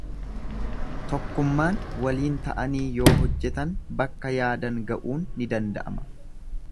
Tokkummaan waliin ta'anii yoo hojjetan bakka yaadan ga'uun ni danda'ama.